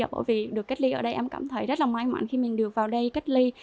bởi vì được cách ly ở đây em cảm thấy rất là may mắn khi mình được vào đây cách ly